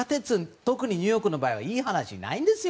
特にニューヨークの場合はいい話ないんですよ。